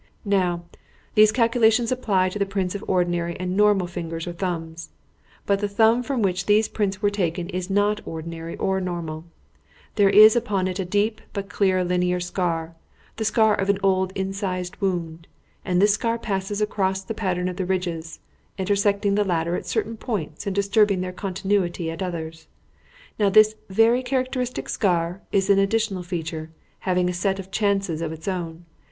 "Now, these calculations apply to the prints of ordinary and normal fingers or thumbs. But the thumb from which these prints were taken is not ordinary or normal. There is upon it a deep but clean linear scar the scar of an old incised wound and this scar passes across the pattern of the ridges, intersecting the latter at certain places and disturbing their continuity at others. Now this very characteristic scar is an additional feature, having a set of chances of its own.